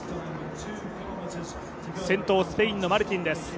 先頭スペインのマルティンです。